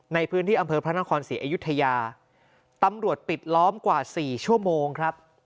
ในพื้นที่อำเภอพระนครศรีอยุธยาตำรวจปิดล้อมกว่าสี่ชั่วโมงครับ